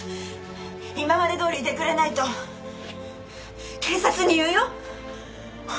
今までどおりでいてくれないと警察に言うよ！